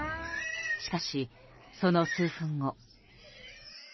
しかし、その数分後。